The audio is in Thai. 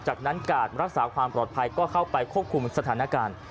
จากนั้นการรักษาความปลอดภัยก็เข้าไปควบคุมสถานการณ์